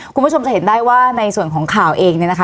คุณผู้ชมจะเห็นได้ว่าในส่วนของข่าวเองเนี่ยนะคะ